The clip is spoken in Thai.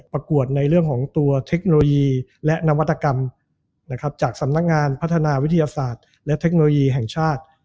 ประกวดในเรื่องของตัวเทคโนโลยีและนวัตกรรมนะครับจากสำนักงานพัฒนาวิทยาศาสตร์และเทคโนโลยีแห่งชาติ